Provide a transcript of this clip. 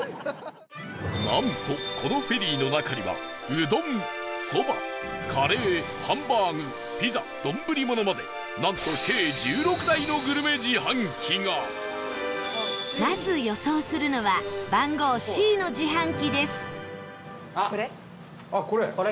なんと、このフェリーの中にはうどん、蕎麦、カレーハンバーグ、ピザ、丼ものまでなんと計１６台のグルメ自販機がまず予想するのは番号Ｃの自販機です賀来：これ？